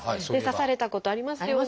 刺されたことありますよね。